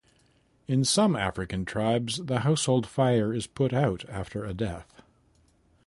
In some African tribes, the household fire is put out after a death.